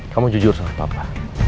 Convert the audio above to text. kamu jujur sama papa